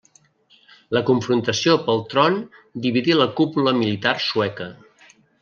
La confrontació pel tron dividí la cúpula militar sueca.